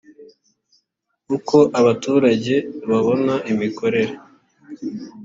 uko abaturage babona imikorere